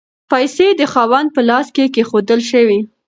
پیسې د خاوند په لاس کې کیښودل شوې.